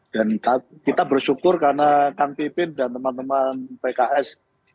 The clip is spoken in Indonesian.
dan kita bersyukur karena kang pipin dan teman teman pks